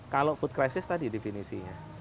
kalau food crisis tadi definisinya